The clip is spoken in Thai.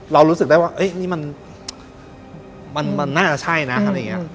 เรารู้สึกได้ว่านี่มันน่าจะใช่นะอะไรอย่างนี้